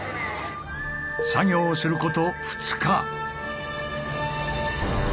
作業すること２日。